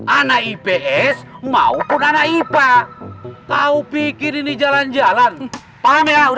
anak ips maupun anak ipa kau pikir ini jalan jalan paham ya udah paham tuh ya